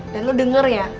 dan lo denger ya